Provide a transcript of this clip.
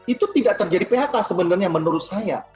itu tidak terjadi phk sebenarnya menurut saya